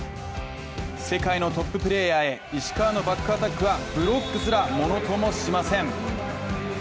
世界のトッププレーヤーへ石川のバックアタックはブロックすらものともしません。